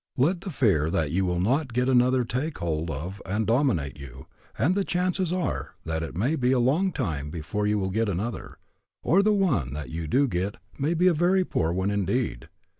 Let the fear that you will not get another take hold of and dominate you, and the chances are that it may be a long time before you will get another, or the one that you do get may be a very poor one indeed.